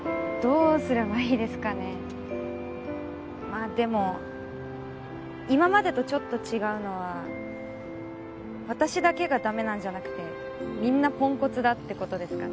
まあでも今までとちょっと違うのは私だけが駄目なんじゃなくてみんなポンコツだって事ですかね？